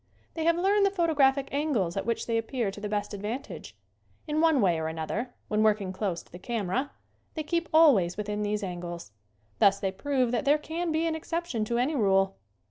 They have learned the photographic angles at which they appear to the best advantage. In one way or another, when working close to the camera, they keep always within these angles. Thus they prove that there can be an exception to any rule.